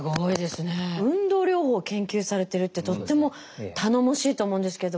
運動療法を研究されてるってとっても頼もしいと思うんですけれども。